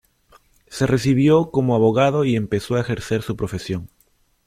Se recibió como abogado y empezó a ejercer su profesión.